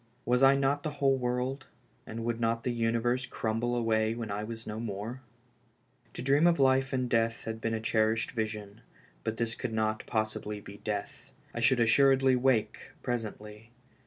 Was I not the whole world, and would not the universe crumble away when I w^as no more ? To dream of life in death had been a cherished vision, but this could not possibly be death. I should assuredly awake presently.